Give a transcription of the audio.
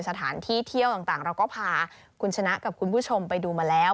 สถานที่เที่ยวต่างเราก็พาคุณชนะกับคุณผู้ชมไปดูมาแล้ว